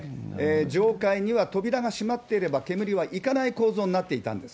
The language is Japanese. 上階には扉が閉まっていれば煙はいかない構造になっていたんです。